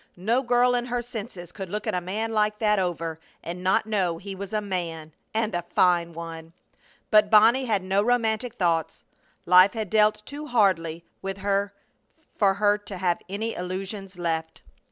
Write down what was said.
No girl in her senses could look a man like that over and not know he was a man and a fine one. But Bonnie had no romantic thoughts. Life had dealt too hardly with her for her to have any illusions left.